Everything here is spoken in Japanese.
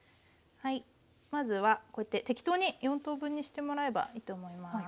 まずはこうやって適当に４等分にしてもらえばいいと思います。